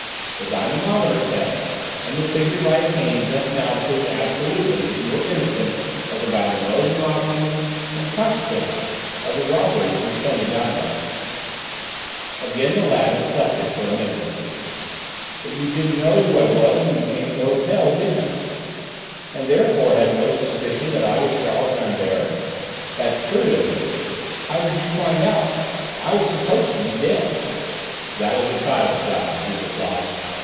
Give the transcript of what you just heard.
The dynamometer tests and the figures I obtained just now prove absolutely that you are innocent of the Van den Rosen robbery and, consequently, of the robbery from Sonia Danidoff." Again the lad reflected for a minute or two. "But you didn't know who I was when you came to the hotel, did you? And therefore had no suspicion that I was Charles Rambert? That's true, isn't it? How did you find out? I was supposed to be dead." "That was a child's job," Juve replied.